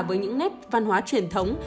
với những nét văn hóa truyền thống